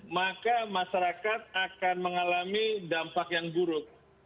maka masyarakat akan mengalami dampak yang buruk